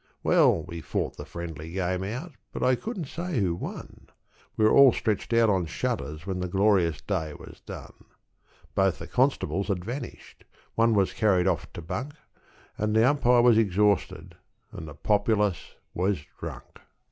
Well, we fought the friendly game out, but I couldn't say who won; We were all stretched out on shutters when the glorious day was done; Both the constables had vanished; one was carried off to bunk, And the umpire was exhausted, and the populace was drunk.